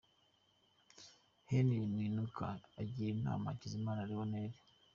Henry Mwinuka agira inama Hakizimana Lionel.